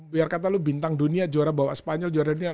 biar kata lu bintang dunia juara bawa spanyol juara dunia